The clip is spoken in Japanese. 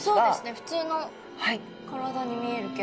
ふつうの体に見えるけど。